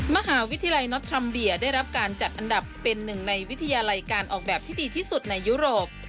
มหาวิทยาลัยน็อตทรัมเบียได้รับการจัดอันดับเป็นหนึ่งในวิทยาลัยการออกแบบที่ดีที่สุดในยุโรป